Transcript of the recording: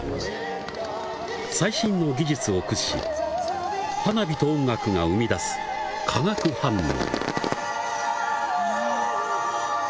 最新の技術を駆使し花火と音楽が生み出す、化学反応。